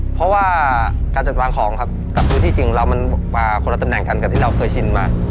เพราะว่าการจัดล้างของครับแต่ก็คือมันเปล่าคนละตำแหน่งกันที่คุณเคยชินมา